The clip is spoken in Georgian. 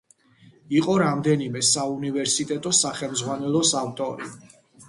იყო რამდენიმე საუნივერსიტეტო სახელმძღვანელოს ავტორი.